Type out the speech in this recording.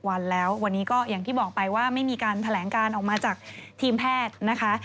วันแล้ววันนี้ก็อย่างที่บอกไปว่าไม่มีการแถลงการออกมาจากทีมแพทย์นะคะ